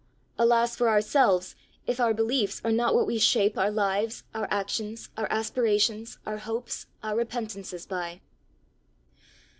Alas for ourselves if our beliefs are not what we shape our lives, our actions, our aspirations, our hopes, our repentances by!